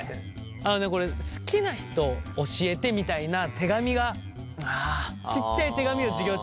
あのねこれ「好きな人教えて」みたいな手紙がちっちゃい手紙を授業中。